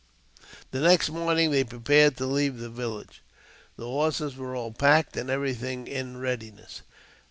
The next morning they prepared to leave the village. The horses were all packed, and everything in readiness.